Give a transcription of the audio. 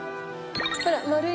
ほら丸い